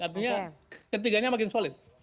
artinya ketiganya makin solid